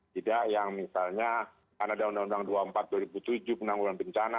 tidak yang misalnya karena ada undang undang dua puluh empat dua ribu tujuh penanggulan bencana